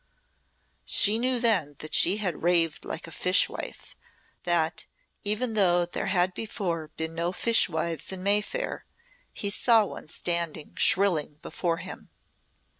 She knew then that she had raved like a fishwife that, even though there had before been no fishwives in Mayfair, he saw one standing shrilling before him.